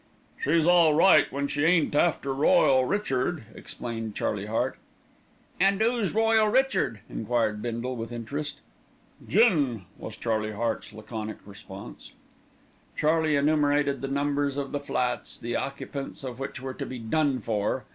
"She's all right when she ain't after 'Royal Richard,'" explained Charlie Hart. "An' who's Royal Richard?" enquired Bindle with interest. "Gin!" was Charlie Hart's laconic response. Charlie enumerated the numbers of the flats, the occupants of which were to be "done for."